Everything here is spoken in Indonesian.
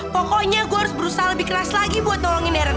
pokoknya gue harus berusaha lebih keras lagi buat tolongin deren